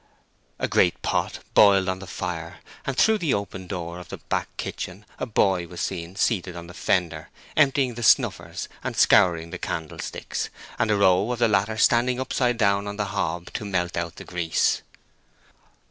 A great pot boiled on the fire, and through the open door of the back kitchen a boy was seen seated on the fender, emptying the snuffers and scouring the candlesticks, a row of the latter standing upside down on the hob to melt out the grease.